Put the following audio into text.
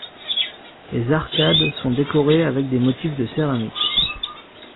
Les arcades sont décorées avec des motifs de céramique.